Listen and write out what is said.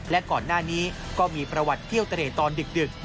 และก่อนหน้านี้ก็มีประวัติเที่ยวเตร่ตอนดึก